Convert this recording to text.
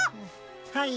はい。